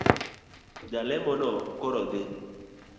Jalemono koro dhii.